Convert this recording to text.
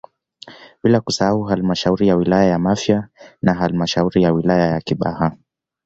Bila kusahau halmashauri ya wilaya ya Mafia na halmashauri ya wilaya ya Kibaha